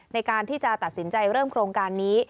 ในการที่จะตัดสินใจเริ่มโครงการนี้